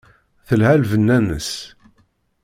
Telha lbenna-nnes.